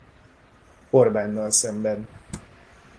Orbánnal szemben.